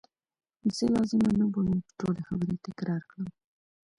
زه لازمه نه بولم چې ټولي خبرې تکرار کړم.